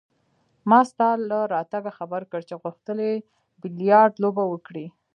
ما ستا له راتګه خبر کړ چې غوښتل يې بیلیارډ لوبه وکړي.